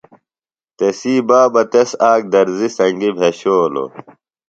تسی بابہ تس آک درزیۡ سنگیۡ بھیۡشولوۡ۔